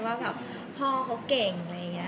ว่าพ่อเขาเก่ง